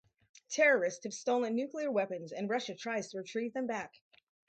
Terrorists have stolen nuclear weapons and Russia tries to retrieve them back.